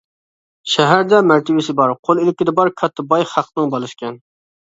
شەھەردە مەرتىۋىسى بار، قول-ئىلكىدە بار كاتتا باي خەقنىڭ بالىسىكەن.